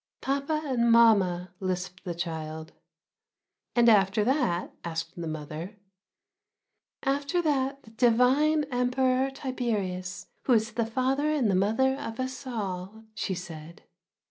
"Papa and mamma," lisped the child. "And after that?" asked the mother. "After that the divine Emperor Tiberius, who is the father and the mother of us all," she said.